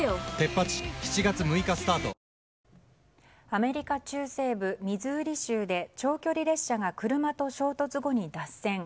アメリカ中西部ミズーリ州で長距離列車が車と衝突後に脱線。